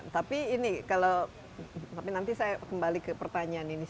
tapi nanti saya kembali ke pertanyaan ini